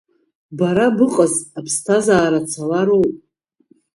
Бара быҟаз аԥсҭазаара цалароуп.